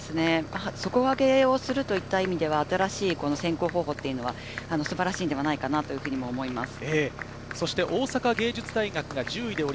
底上げをするといった意味では新しい選考方法は素晴らしいのではないかと思います。